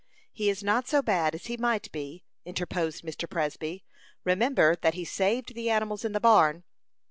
"He is not so bad as he might be," interposed Mr. Presby. "Remember that he saved the animals in the barn."